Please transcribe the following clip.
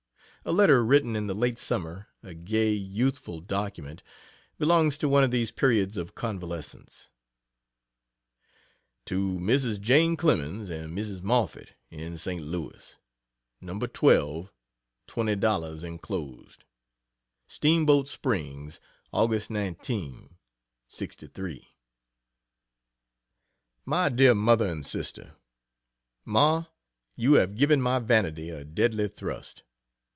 A letter written in the late summer a gay, youthful document belongs to one of these periods of convalescence. To Mrs. Jane Clemens and Mrs. Moffett, in St. Louis: No. 12 $20 enclosed. STEAMBOAT SPRINGS, August 19, '63. MY DEAR MOTHER AND SISTER, Ma, you have given my vanity a deadly thrust.